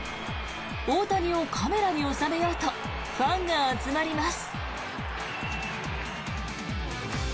大谷をカメラに収めようとファンが集まります。